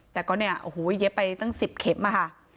แต่ก็เนี่ยโอ้โหเย็บไปตั้ง๑๐เข็มอะค่ะ